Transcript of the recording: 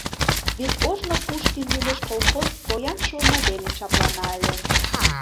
Вет ожно Пушкин лӱмеш колхоз поян шурно дене чаплана ыле.